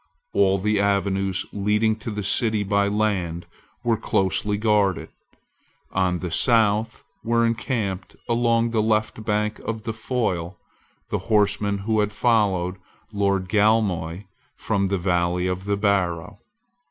All the avenues leading to the city by land were closely guarded. On the south were encamped, along the left bank of the Foyle, the horsemen who had followed Lord Galmoy from the valley of the Barrow.